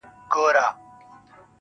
تک سپين کالي کړيدي,